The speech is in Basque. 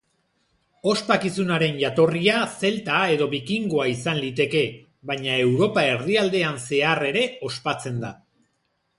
Ospakizunaren jatorria zelta edo bikingoa izan liteke, baina Europa erdialdean zehar ere ospatzen da.